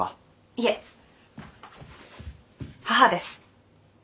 いえ母です。